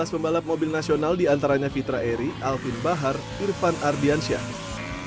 dua belas pembalap mobil nasional diantaranya fitra eri alvin bahar irfan ardiansyah